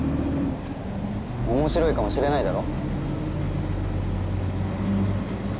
面白いかもしれないだろ？